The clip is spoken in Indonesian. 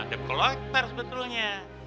dep kolektor sebetulnya